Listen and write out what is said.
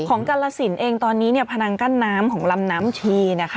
ของการละสินเองตอนนี้พนักกั้นน้ำของลำน้ำชี้นะคะ